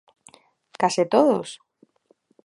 ¿Case todos?